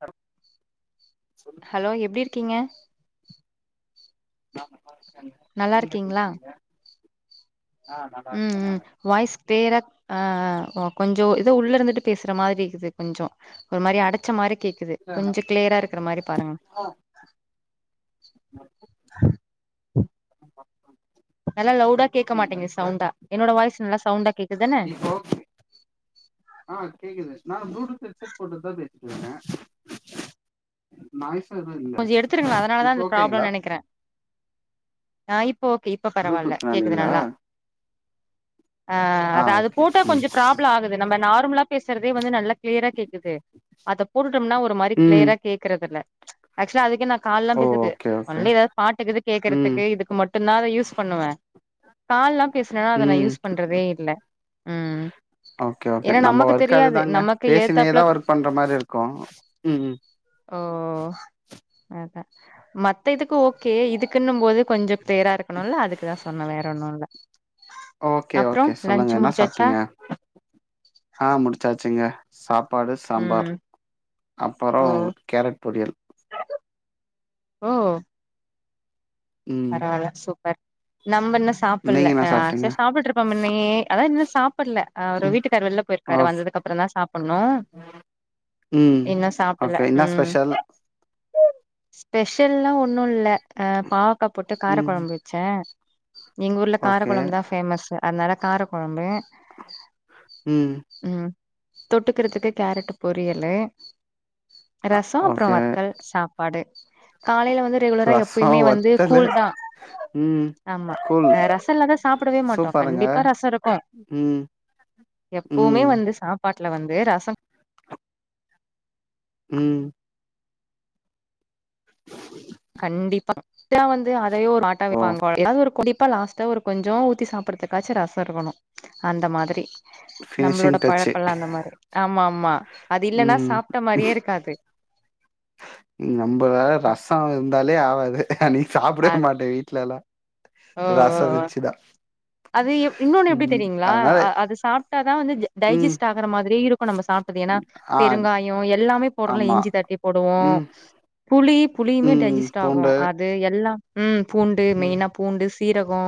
[unintelligible] சொல்லு ஹலோ எப்டி இருக்கிங்க வா நல்லா இருக்கிங்களா ஆ நல்லா ம் இருக்கே ம் நானு வாய்ஸ் கிளியறா ஆ கொஞ்சோ இது உள்ள இருந்துட்டு போசுறா மாறி இருக்குது கொஞ்சோ ஒரு மாறி அடச்ச மாறி கேக்குது இல்ல நா கொஞ்சோ கிளியரா இருக்க மாறி பாருங்க [inaudible] நல்ல லவுடா ஓகேங்களா கேக்கமாட்டங்குது இப்ப சவுண்டா என்னோட வாய்ஸ் நல்லா சவுண்ட கேக்குதுதான ஓகே ஆ கேக்குது நான் ப்ளூத்துட் எக்செட் போட்டுதுதான் பேசிட் இருக்கேற நாய்ஸ் எதும் இல்ல கொஞ்சோ எடுத்துருங்களே அதனாலதா இப்ப அந்த ஓக்கேங்களா ப்ராப்ளம் நெனைக்கிறே ஆ இப்ப ஓகே இப்ப பரவால்ல கேக்குது ப்ளூடூத்னாலைங்களா நல்லா ஆ அதா ஓகே போட்டா ம் கொஞ்சோ ப்ராப்ளம் ஆகுது நம்ம நார்மளா போசுறதே வந்து நல்லா கிளியரா கேக்குது அத போட்டும்னா ஒரு மாறி ம் கிளியரா கேக்குறது இல்ல ஆக்சுலா அதுக்கே நா கால்லா ஓ போசுது ஓகே ஓகே ஒண்லி ஏதாவது பாட்டுக்கு ம் கேக்குறதுக்கு இதுக்கு மட்டுதா அதா யூஸ் பண்ணுவேன் கால்லா பேசனா அத நான் ம் யூஸ் பண்றதே இல்ல ம் ஒகே ஒகே ஏன்னா நம்ம நமக்கு ஓர்க் தெரியாது அதுதாங்க நமக்கு பேசிக்குனே ஏத்தாப்ல தா ஒர்க் பண்ற மாறி இருக்கோ ஒ ஒ ஒ அதா மத்த இதுக்கு ஒகே இதுக்குன்னுமோது கொஞ்சோ கிளியரா இருக்கணும்ல அதுக்குதா சொன்ன வேற ஒண்ணு இல்ல ஒகே அப்றோ ஒகே சொல்லுங்க லன்ச் என்ன முடிச்சாச்சா சாப்டீட்ங்க ஆ முடிச்சாசிங்க சாப்பாடு சாம்பார் ம் அப்பறோ ஓ கேரட் பொரியல் ஓ ம் பரவால சூப்பர் நம்ம என்ன சாப்பல்ல நீங்க என்ன ஆ சாப்ட்டீங்க சேர் சாப்ட்டு இருப்ப முன்னையே அதான் இன்னும் சாப்பல்ல அ ம் வீட்டுக்கார் வெள்ல போய்ர் க்காரு அவர் ஓக் வந்ததுக்கு அப்பறோ தான் சாப்பன்னு ம் இன்னு சாப்பல்லா ஓகே என்ன ம் ஸ்பெஷல் ஸ்பெஷல்லா ஒண்ணு இல்ல ஆ பாவக்கா போட்டு கார ம் கொழம்பு வச்ச எங்க ஊர்ல ஓகே காரக்குழம்பு தான் பேஃமஸ் அதனாலா காரக்குழம்பு ம் ம் தொட்டுக்கரத்துக்கு கேரட் பொரியலு ரசோ அப்றே ஓகே வத்தல் சாப்பாடு காலைல வந்து ரெகுலரா ரசோ எப்பயுமே வந்து வத்தலு கூல் தா ம் ஆமா கூல் நா ரசோ இல்லாதா சாப்பிடவே மாட்டோ சூப்பருங்க கண்டிப்பா ரசோ இருக்கு ம் எப்பவுமே ம் வந்து சாப்பாட்ல வந்து ரசம் ம் [inaudible] கண்டிப்பா வந்து அதையே ஒரு ஆட்டா ஓ வைப்பாங்க ஏதாவது ஒரு குடிப்ப லாஸ்ட்டா ஒரு கொஞ்சோ ஊத்தி சாப்புறதுக்காச்சு ரசோ இருக்கணு அந்த மாதிரி நம்மளோட ஃபினிஷிங் டச்சு பழக்கோலா அந்த மாரி ஆமா ஆமா அது இல்லன்னா ம் சாப்ட மாரியே இருக்காது நம்மளா ரசோ இருந்தாலே ஆவாது அன்னிக்கி அ சாப்டவே மாட்டே வீட்லலா ஓ ஓ ரசோ ஓ ரிச்சுதா அது இன்னொன்னு எப்டி ம் தெரியுங்களா அதனால அ அது சாப்டாதா வந்து ம் டைஜெஸ்ட் ஆகுற மாதிரியே இருக்கு நம்ம சாப்டது ஏன்னா ஆ பெருங்காயோ எல்லாமே போட்ரோல ஆமா இஞ்சி தட்டி போடுவோ ம் புளி புளியுமே ம் டைஜெஸ்ட் ஆகு பூண்டு அ வந்து எல்லாம் ம் பூண்டு ம் மெயினா பூண்டு சீரகோ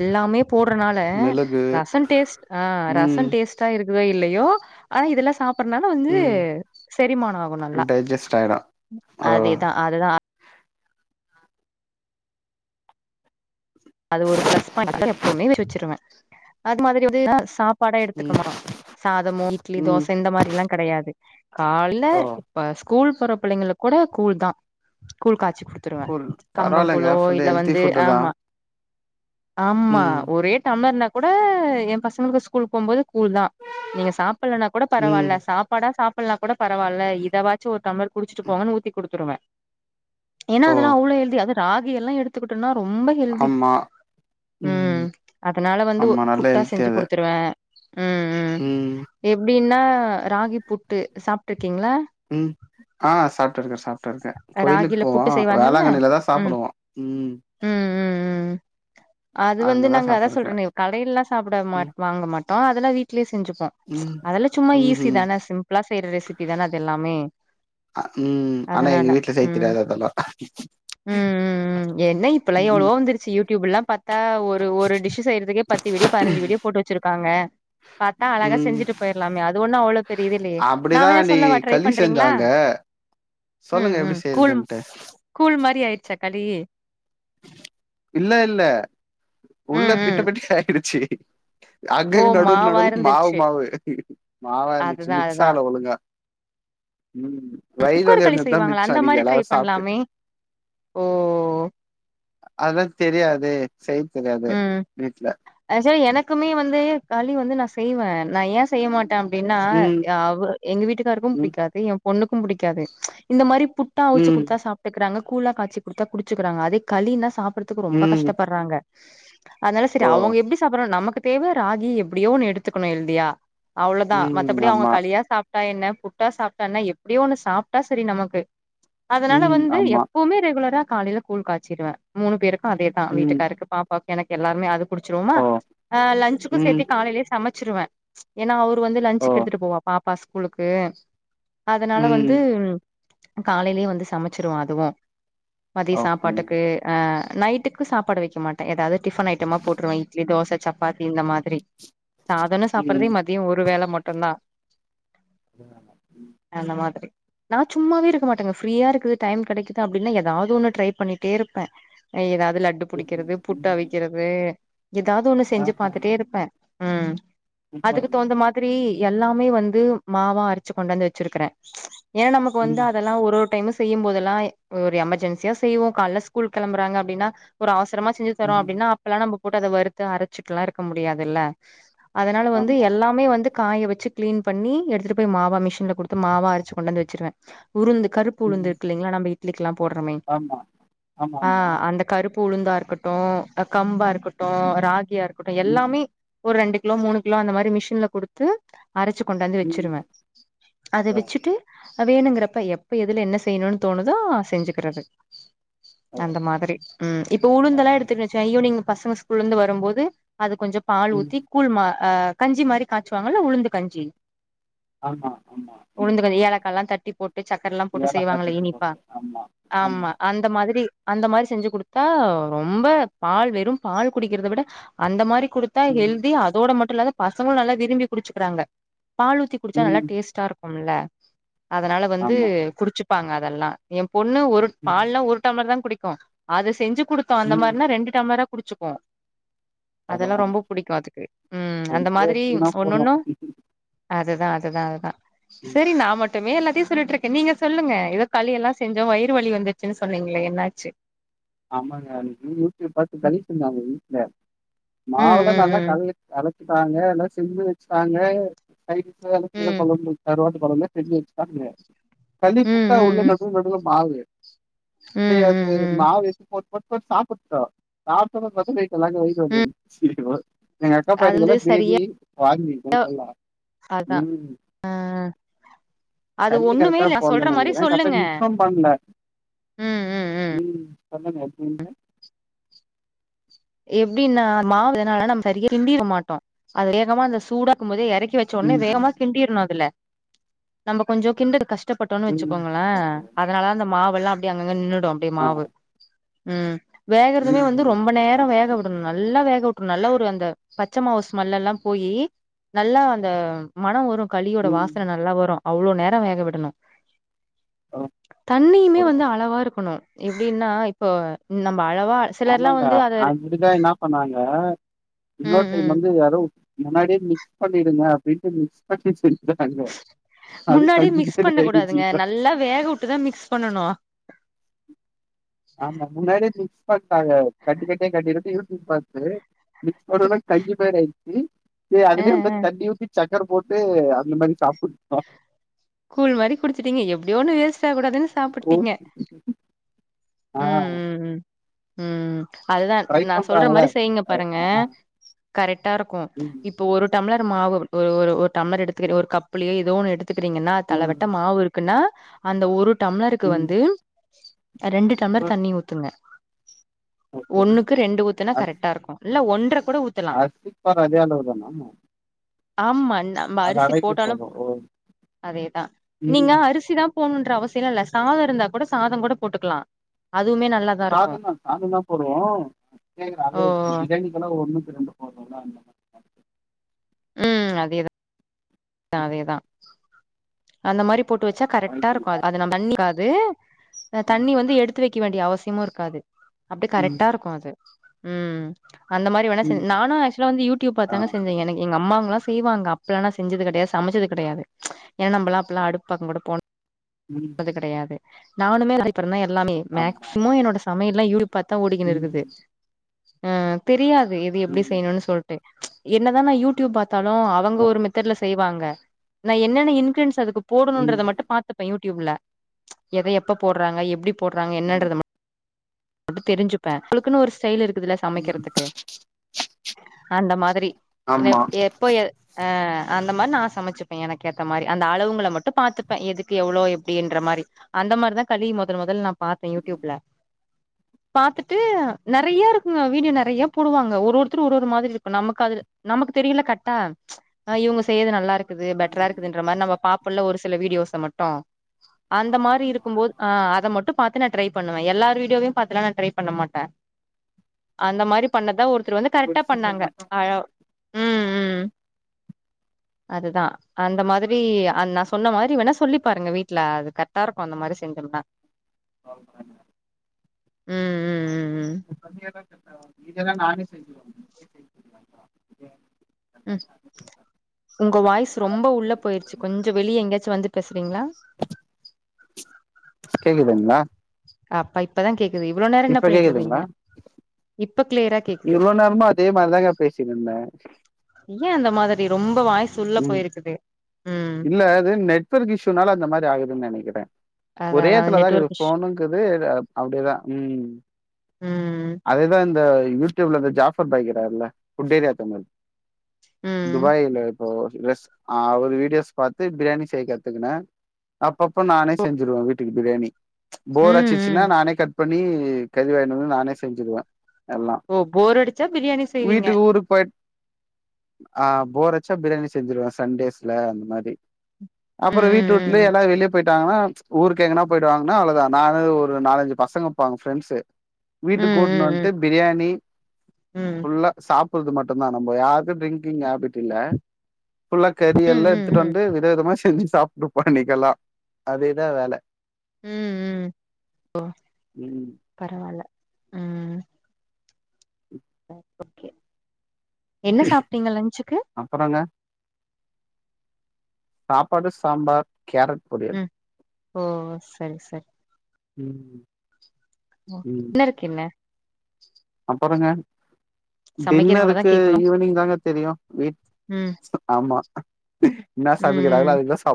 எல்லாமே போட்றனால மிளகு ரசோ டேஸ்ட் ஆ ரசோ ம் டேஸ்ட் டா இருக்குதோ இல்லையோ ஆனா இதெல்லா சாப் பன்னால வந்து ம் செரிமானோ ஆகு நல்லா டைஜஸ்ட் ஆயிடு ஓ அதேதா அதுதா அது ஒரு பிளஸ் பாயிண்ட் எப்பவுமே வச்சிருவே அது மாதிரிதா சாப் படோ ம் எடுத்துக்குமறு சாதமோ இட்லி ம் தோச இந்த மாரில்லா கெடயாது கால்ல ஓ ப ஸ்கூல் போற பிள்ளைங்களுக்கு கூட கூழ் தா கூழ் காய்ச்சு குடு குத்துருவே கூல் பரவாயில்லங்க கம்பங்கூழோ ஃபுல்லா இல்ல ஹெல்தி வந்து ஃபுட்டு தா ஆமா ஆமா ம் ஒரே டம்ளர்னா கூட எ பசங்களுக்கு ஸ்கூல் போம்போது ஸ்கூல் தா நீங்க சாப்பல்லனா கூட ம் பரவால்ல சாப்பாடா சா சாப்பெல்னா கூட பரவாயில்ல இதவாச்சு ஒரு டம்பர் குடிச்சுட்டு போங்கன்னு ஊத்தி குடுத்துருவே ஏன்னா ஓ அதெல்லா அவ்ளோ ஹெல்தி அது ராகி எல்லா எடுத்துக்கிட்டனா ரொம்ப ஹெல் ஆமா ம் அதனால வந்துஒ ஆமா நல்ல புட்டா ஹெல்த்தி செஞ்சு அது குடுத்துருவே ம் ம் எப்டின்னா ராகி புட்டு சாப்ட்டுருக்கீங்களா ம் ஆ சாப்ட்டு இருக்கே சாப்ட்டு இருக்கே கோயிலுக்கு ராகில போவோ புட்டு செய்வாங்கல்ல வேளாங்கண்ணில தா ம் சாப்பிடுவோ ம் ம் ம் ம் அது வந்து அங்கதா நாங்க அதா சாப்ட்டுருக்கே சொல்றனே கடைல்லா சாப்ட ம் மாட் வாங்க மாட்டோ அதெல்லா வீட்லயே செஞ்சுப்போ ம் அதெல்லா சும்மா ஈஸி ம்ஹும் தான சிம்பிளா செய்ற ரெசிபி தான அது எல்லாமே அ ம் ஆனா அதனால எங்க வீட்டுல செய்த் ம் தெரியாது அதுலா ம் ம் ம் என்ன இப்பல்லா எவ்ளோ வந்துருச்சு யூடியூப் எல்லா பாத்தா ஒரு ஒரு டிஷ் செய்யறதுக்கே பத்து வீடியோ பதினஞ்சு வீடியோ போட்டு வச்சிருக்காங்க பாத்தா அழகா ம் செஞ்சிட்டு பேயிர்ல்லாமே அது ஒண்ணு அவ்ளோ பெரிய இதுல்லயே நா அப்படிதா வேணா அன்னிக்கி சொல்லவா களி ட்ரைப்பண்றீங்களா செஞ்சாங்க சொல்லுங்க எப்டி செய்யறதுன்ட்டு கூழ் மாரி ஆயிரிச்சா களி இல்ல இல்ல உள்ள ம் ம் பிட்டபேட்டீஸ் ஆயிடுச்சு ஓ அங்கங்க நடுல மாவா நடுல மாவு இருந்துருச்சு மாவு மாவன்சு அதுதா அதுதா மிக்ஸால ஒழுங்கா ம் வைறுவலி சுக்கர் களி வந்ததுதா செய்வாங்கள மிச்சோ அந்த அன்னக்கி மாரி ட்ரை எல்லாரு சாப்ட்டு பண்லாமே ஓ அதா தெரியாதே செய் தெரியாதே வீட்ல ஆசே எனக்குமே வந்து களி வந்து நா செய்வே நா ஏ செய்ய மாட்டே அப்டின்னா ம் ய அவுரு எங்க வீட்டுக்காருக்கு ம் புடிக்காது எ பொண்ணுக்கு புடிக்காது இந்த மாரி புட்டா அவிச்சு ம் குடுத்தா சாப் க்குறாங்க கூழா காச்சி குடுத்தா குடிச்சுக்குறாங்க அதே களினா சாப்புடுறதுக்கு ரொம்ப ம் கஷ்டப்படுறாங்க அனால செரி ஓ அவுங்க எப்டி சாப்புட்றாங்க நமக்கு தேவ ராகி எப்டியோ ஒன்னு எடுத்துக்கணு ஹெல்தியா அவ்ளோதா ம் மத்தபடி அவுங்க ஆமா களியா சாப்ட்டா என்ன புட்டா சாப்ட்டா என்ன எப்டியோ ஒண்ணு சாப்ட்டா சரி நமக்கு அதனால ம் வந்து ஆமா எப்பவுமே ரெகுலரா காலைல கூழ் காச்சிருவே மூணு பேருக்கு அதேதா ம் வீட்டுக்காருக்கு பாபாக்கு எனக்கு எல்லாருமே அது குடிச்சிருவோமா ஓ ஹ லன்ச்சுகோ ம் சேத்து காலையிலயே சமச் ச்சிருவே ஏன்னா அவரு வந்து ஓ லன்ச்சுகு எடுத்துட்டு போவா பாப்பா ஸ்கூலுக்கு அதனால ம் வந்து காலையிலயே வந்து சமச்சிருவோ அதுவு மதிய ஓகே சாப்பாட்டுக்கு அ நைட்டுக்கு சாப்பாடு வெக்க மாட் ஏதாவது டிஃபன் ஐட்டமா போட்டுருவே இட்லி தோச சப்பாத்தி இந்த மாதிரி சாதன்னு ம் சாப்பிடறதே மத் தி ஒரு வேல மட்டுந்தா இல்லல்லே அந்த மாதிரி நா சும்மாவே இருக்க மாட்டங்க ஃப்ரீயா இருக்குது டைம் கெடைக்குது அப்டின்னா ஏதாவுது ஒண்ணு ட்ரை பண்ணிட்டேருப்பே அ எதாவுது லட்டு ம் புடிக்கிறது புட் ம், அவிக்கிறது எதாவது ஒண்ணு செஞ்சு ஆஹா பாத்துட்டே இருப்பேன் ம் அதுக்கு சூப்பர்மா தவுந்த மாதிரி எல்லாமே வந்து மாவா அரச்சு கொண்டாந்து வெச்சிருக்குறே ஏன் நமக்கு வந்து ம் அதெல்லாம் ஒரு ஒரு டைமு செய்யும் போதெல்லா ஒரு எமர்ஜென்சியா செய்வோ கால்ல ஸ்கூல் கெளம்புறாங்க அப்டின்னா ஒரு அவசரமா செஞ்சி தறோ ம் அப்டின்னா அப்பெல்லா நம்ம போட்டு அத வறுத்து அரச்சிட்டுல்லா இருக்க முடியாதுல்ல அதனால வந்து ஆமா எல்லாமே வந்து காய வெச்சு க்ளீன் பண்ணி எடுத்துட்டு போய் மாவா மிஷின்ல்ல குடுத்து மாவா அரச்சி கொண்டந்து வெச்சிருவேன் உருந்து கருப் பு உளுந்து ம் இருக்கில்லீங்ளா நம்ப இட்லிக்லா போட்றமே ஆமா அ ஆமாமா அந்த கருப்பு உளுந்தாருக்கட்டும் கம்பாருக்கட்டும் ம் ராகியாருக்கட்டும் ம் எல்லாமே ஒரு ரெண்டு கிலோ மூணு கிலோ அந்த மாதிரி மிஷின்ல குடுத்து அரச்சு கொண்டாந்து ம் வெச்சிருவேன் அத ஓ வெச்சிட்டு அ வேணுங்கிறப்ப எப்ப எதுல என்ன செய்ணுன் தோணுதோ செஞ்சுக்றது ஓ அந்த மாதிரி ம் இப்ப ஆ, உளுந்தெலா எடுத்து வெச்சா ஈவ்னிங் பசங்க ஸ்கூல்லந்து வரும்போது அது கொஞ்சம் பால் ம் ஊத்தி கூழ் மா அ கஞ்சி மாரி காய்ச்சுவாங்கல்ல உளுந்து கஞ்சி ஆமா ஆமா ம் உளுந்து கஞ்சி ஏலக்கால்லா தட்டி போட்டு சக்கரல்லா போட்டு ஏலக்காய் செய்வாங்களே தட்டி இனிப்பா போட்டு ஆமா ஆமா அந் த மாதிரி அந்த மாரி செஞ்சு குடுத்தா ரொ ம்ப பால் வெறும் பால் குடிக்கிறத விட அந்த மாரி குடுத்தா ம் ஹெல்தி அதோட மட்டுல்லாத பசங்களும் நல்லா விரும்பி குடிச்சுக்கிறாங்க பாலூத்தி குடிச்சா நல்லா ம் டேஸ்ட்டா இருக்கும்ல அதனால வந்து ஆமா குடிச்சுப்பாங்க அதெல்லா எம்பொண்ணு ஒரு ம் பால்லா ஒரு டம்ளர்தா குடிக்கும் அது செஞ்சு குடுத்தோம் அந்த ம் மாரினா ரெண்டு டம்ளரா குடிச்சுக்கும் அதெல்லா பரவாயில்ல ரொம்ப புடிக்கு அதுக்கு ம் அந்த ஹெல்த்தியாக மாதிரி எடுத்துக்கினா ஒன்னொண்ணு போதும் அதுதா அதுதா அதுதா ம் செரி நா மட் டுமே எல்லாத்தையு சொல்லிட்ருக்கேன் நீங்க சொல்லுங்க எதோ களி எல்லா செஞ்சோ வயிறு வலி வந்துச்சுன்னு சொன்னீங்களே என்னாச்சு ஆமாங்க அன்னிக்கி யூடியூப் பாத்து களி செஞ்சாங்க வீட்ல ம் மாவுலா ம் நல்லா ம் கலந் கலந் டாங்க எல்லா செஞ்சு வெச்சிட்டாங்க கைல்ல கீர ம் கொழம்பு கருவாட்டு கொழம்பு செஞ்சு வெச்சிட்டாங்க களி ம் புட்டா ம் உள்ள ம் நடுநடுல மாவு டே ம் அது ம் ம் மாவு போட் போட் போட் சாப்புட்டோ சாப்டதும் பாத்தன்னா நைட்டு எல்லா வயிறு வலி வந்துருசீ [inaudible] எங்க அக்கா அது பையனுக்குதா வந்து சரியா பேதி வாந்தி நைட்டெல்லா அதா ம் அ தண்ணி கரெக்டா போட்னுன் நெனக்கிறேன் கரெட்டா சொல்லுங்க இன்ஃபாம் பண்ல ம் [inaudible] எப்டின்னா மாவு அதனால நம்ம சரியா கிண்டிருக்கமாட்டோ அது வேகமா அந்த சூடாக்கும் போதே எறக்கி வெச் சொன்ன ம் வேகமா கிண்டிர்ணு அதுல நம்ம கொஞ்சம் கிண்டதுக்கு கஷ்டபட்டோன்னு ம் வெச்சுக்கோங்களே ஓகே அதனாலதா அந்த மாவெல்லாம் அப்டி அங்கங்க நின்னுடும் அப்டியே ஆ மாவு ம் வேகறதுமே வந்து ம் ரொம்ப நேர வேக ஓகே வுடணும் நல்லா வேகவுட்ரணு நல்ல ஒரு அந்த பச்ச மாவு ஸ்மெல்லெல்லா போயி நல்லா அந்த மனம் வரும் களியோட ம் வாசன நல்லா வரும் அவ்ளோ நேரம் வேக விடணும் ஓ தண்ணியுமே ஓ வந்து அளவா இருக்கணு எப்டின்னா இப்போ நம்ம அளவா சிலர்லா ஆமாங்க வந்து அத அப்டிதான் என்னா பண்ணாங்க இன்னோர் ம் ம் டைம் வந்து யாரோ முன்னாடியே மிக்ஸ் பண்ணிடுங்க அப்டின்ட்டு மிக்ஸ் பண்ணி செஞ்சாங்க அது முன்னாடி கஞ்சி மிக்ஸ் மாரி பண்ண கூடாதுங்க ஆயிடுச்சு நல்லா வேக வுட்டுதா மிக்ஸ் பண்ணனு ஆமா முன்னாடியே மிக்ஸ் பண்டாங்க கட்டிக்கட்டே கட்டிக் கட்டி யூடியூப் பாத்து மிக்ஸ் பண்ணோனே கஞ்சி மாரி ஆயடுச்சு அதுலயே அ தண்ணி ஊத்தி சக்கர் போட்டு அந்த மாரி சாப்புட் ஒ கூல் மாரி குடுச்சுட்டீங்க எப்டியோ ஒன்னு வேஸ்ட் ஆ கூடாதுன் ஓ தாப்புட்டீங்க ஆ ம் ம் ம் ம் அதுதான் ட்ரை நா சொல்ற பண்றாங்களா? மாரி செய்ங்க பாருங்க ஆ கரெட்டா இருக்கூ ம் இப் ப்போ ஒரு டம்ளரு மாவு ஒரு ஒர் டம்மர் எடுத்துகிற ஒர் கப்புலே எதோ ஒன்னு எடுத்துக்கிறீங்கன்னா தலவெட்ட ம் மாவு இருக் க்குன்னா அந்த ஒரு டம்ளருக்கு ம். வந்து ரெண்டு டம்ளர் தண்ணி ஊத்துங்க ஓகே. ஒண்ணுக்கு ரெண்டு ஊத்தனா கரெட்டா இருக்கூ இல்ல ஒன்ற கூட ஊத்தலா அச் சீப்பர் அதே அளவு தானா ஆம் அண்ணா அ ரவைக்கு போது ஓ அதேதா நீங்க ம். அரிசி தாப் போனுன்ற அவசியலா இல்ல சாதொ இருந்தா கொட சாதம் போட்டு போட்டுக்கலா அதுமே நல்லா சாதந்தா சாதந்தா போட்றோ கேக்கல ஓ அது பிரியாணிக்கான ஒண்ணுக்கு ரெண்டு போட்றோல்ல ம் அதேதா அதேதா அந்த மாரிப் போட்டு வெச்சா ட்ரை கரெட்டா பண்ணி இருக்கு அது அது பாக்குறேங்க. நம்தண்ணி காது அ ம் தண்ணி வந்து எடுத்து வெக்க வேண்டிய அவசியமு இருக்காது அப்டெ ம் கரெட்டாருக்கு அது ம் அந்த மாரி வேணா செஞ் ம். நானு ஆக்சுலா வந்து யூடியூப் ஆ பாத்தாங்க செஞ்ச எனக் எங்க அம்மாங்களலா செய்வாங்க அப்பலா செஞ்சது கட டே சமைச்சது கிடையாது ஏன் நம்ப்பலா அப்பல்லா அடுப்பு பக்கோ கொட போன ம். து கெடையாது நானுமே [unintelligible] அப்பற நா எல்லாமே ஆமா. மேக்சிமொ என்னோட சமையல்ல யூடியூப் பாத்தா ஓடிகின்னு இருக்குது ம் அ தெரியாது இது எப்டி ம். செய்ணும்னு சொல்ட்டு என்னதா நா யூடியூப் பாத் தாலு அவங்க ஓ! ஒரு மெத்தட்ல செய்வாங்க நா என்னென்ன இன்கிரின்ஸ் அதுக்கு ம் போடுணுன்றத மட்டு பாத்துப் ப யூடியூப்ல எத எப்ப போட்றாங்க எப்டி போட்றாங்க ஆ என்னன்றத ம ட்டு தெரிஞ்சுப்ப உளுக்குன்னு ஒரு ஸ்டெயில் இருக்குதுல்ல சமைக்கிறதுக்கு அந்த மாதிரி என் ஆமா எப்போ எ அ அந்த மார் நா சமைச்சுப்பே எனக் ஏத்த மாரி அந்த அளவுங்கள மட்டு பாத்துப்பே எதுக்கு எவ்வளோ எப்டின்ற மாரி அந்த மார்தா களி மொதல் மொதல் நா பாத்தே யூடியூப்ல பாத்துட்டு நெறைய இருக்குங்க வீடியோ நெறைய போடுவாங்க ஒரு ஒருத்தர் ஒரு ஒரு மாதிரிருக்கு நம்மக் அதுல நம்மக்கு தெரியுல்ல கட்டா [unintelligible] அ இவுங்க செய்யது நல்லா இருக்குது பெட்ரா ம் இருக்குதுன்ற மார் ஆமா நம்ப பாப்பொல்ல ஒரு சில வீடியோஸ்ஸ மட்டு அந்த ஆமா மாரி ஆமா இருக்கும்போத் ஆ. அ அத மட்டு பாத்து நா ட்ரை பண்ணுவ எல்லாரு வீடியோவ்யு பாத்துலா நா ட்ரை பண்ண மாட்ட அந்த மாரி பண்ணத்தா ஒருத்தரு வந்து ஒரு கரெட்டா சிலர் பண்ணாங்க மட்டு அழ ம் ம் அதுதா அந்த மாதிரி அன் நா சொன்ன மாரி வேன் ணா சொல்லி பாருங்க வீட்ல அது கர்ட்டா இருக்கு அந்த மாரி செஞ்சோம்னா பால் பேணியா ம் ம் ம் ம் கம்மியாதா கேப்ப மீதியெல்லா நானே செஞ்சுருவ இதெல்லாம் ம் நானே செஞ்சுருவேன். உங்க வாய்ஸ் ரொம்ப உள்ள பார்த்து பொய்ருச்சு கொஞ்சொ வெளிய எங்கயாச்சு வந்து பேசுறீங்ளா கேக்குதுங்ளா அப்ப இப்பதா கேக்குது இவ்வளோ நேரொ என்ன இப்ப பண்ணிட்ருந்தீங்க கேக்குதுங்களா இப்ப கிளியரா கேக்குது இவ்ளோ நேரமு அதே மார்தாங்க பேசிணுர்ந்த ஏ அந்த மாதிரி ரொம்ப வாய்சு உள்ள ம் போயிருக்குது ம் இல்ல அது நெட்வொர்க் இஷுனால அந்த மாரி ஆகுதுன் நெனைக்கிற அதா ஒரே அதா எத்துலதா கிது நெட்வொர்க் இஷ் ஃபோனுங்கிது அப்டேதா ம் ம் அதேதா இந்த யூடியூப்ல இந்த ஜாபர் பாய் இருக்கிறாருல்ல ஃபுட் ஏரியா த [unintelligible] மாரி ம் துபாயில இப்போ ரெஸ் ஆ அவரு வீடியோஸ் பாத்து பிரியாணி செய்ய கத்துகினே அப்பப்போ நானே செஞ்சிருவே வீட்டுக்கு பிரியாணி போர் ம் அச்சிச்சுன்னா ம் நானே கட் பண்ணி கறி வாயுனு வந்து நானே செஞ்சுடுவே எல்லா ஓ போர் அடிச்சா பிரியாணி செய்வீங்க வீட்டுக்கு ஊருக்கு போயிட் ஆ போரச்சா பிரியாணி செஞ்சிருவ சண்டேஸ்ல அந்த மாரி அப்புறோ வீட்டுட்டுலியே ம் ம் எல்லா வெளியே போயிட் டாங்கனா ம்ச் ஊருக்கு எங்கனா போயிடுவாங்கனா அவ்லதா நானு ஒரு நாலஞ்சு பசங்க இருபாங்க ஃப்ரென்ட்ஸ்சு ம் வீட்டுக்கு கூட்டுனு ம் வந்துட்டு பிரியாணி ம் ஃபுல்லா சாப்புட்றது மட்டுதா நம்ப யாருக்கு ட்ரிங்கிங் ஹேபிட் இல்ல புல்லா ம் ம் கரியல்லா ம் எடுத்துட்டு ம் வந்து வித விதமா செஞ்சு சாப்ட்டு இருப்போ அண்ணிக்கெல்லா அதேதா அதேதா வேல உம் உம் ஓ ம் பரவால ஓ ஓக்கே என்ன சாப்ட்டீங்க லன்ச்சுக்கு அப்புறங்க சாப்பாடு சாம்பார் கேரட் பொரியல் உம் ஓ சரி சரி உம் உம் டின்னருக்கு என்ன அப்புருங்க சமைக்கிறவங்களதா டின்னருக்கு கேக்கணு ஈவினிங் தாங்க தெரியும் வீ் ம் ஆமா என்னா ம் சமைக்கிறாங்களோ ம் அததா சா